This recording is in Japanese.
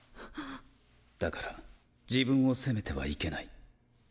だから自分を責めてはいけない。